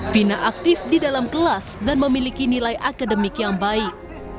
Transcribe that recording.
fina aktif di dalam kelas dan memiliki nilai akademik yang baik